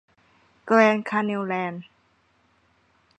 แกรนด์ คาแนล แลนด์